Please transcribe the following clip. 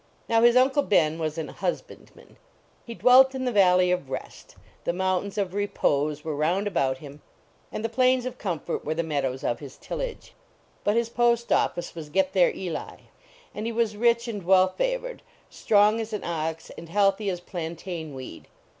Now his Uncle Ben was an husbandman. He dwelt in the Valley of Re t ; the mountains of re pose were roundabout him. and the plains of 187 Till: VACATION OF Ml STAPIIA comfort were the meadows of his till But his post office was Getthere Eli. A IK! he was rich and well favored ; strong as an ox, and healthy as plantain weed.